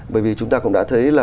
bởi vì chúng ta cũng đã thấy là